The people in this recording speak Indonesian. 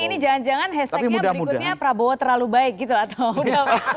ini jangan jangan hashtagnya berikutnya prabowo terlalu baik gitu atau udah